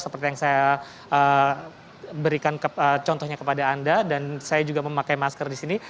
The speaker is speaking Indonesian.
seperti yang saya berikan contohnya kepada anda dan saya juga memakai masker di sini